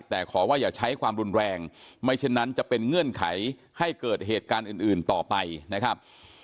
แต่ขอว่าอย่าใช้ความรุนแรงไม่เช่นนั้นจะเป็นเงื่อนไขให้เกิดเหตุการณ์อื่นต่อไปนะครับ